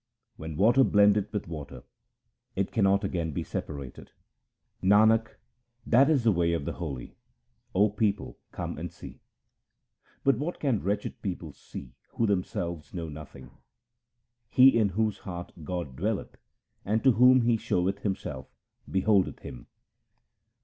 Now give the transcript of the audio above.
When water blendeth with water, it cannot again be separated. Nanak, that is the way of the holy ; O people, come and see : But what can wretched people see who themselves know nothing ? He in whose heart God dwelleth and to whom He showeth Himself, beholdeth Him.